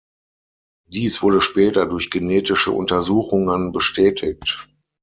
Dies wurde später durch genetische Untersuchungen bestätigt.